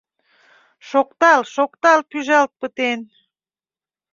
Шоктал-шоктал пӱжалт пытен